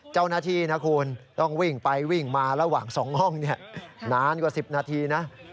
เจ้าหน้าที่นะคุณต้องวิ่งไปวิ่งมาระหว่าง๒ห้องนานกว่า๑๐นาทีนะ